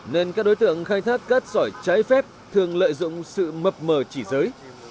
nên các đối tượng khai thác cát sỏi trái phép thường lợi dụng sự mập mờ chỉ giới